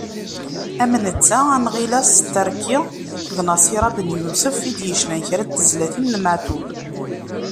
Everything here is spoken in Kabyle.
Am netta am Ɣilas Terki d Nasira Benyusef, i d-yecnan kra n tezlatin n Meɛtub.